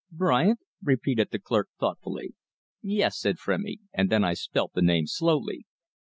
"Bryant?" repeated the clerk thoughtfully. "Yes," said Frémy, and then I spelt the name slowly.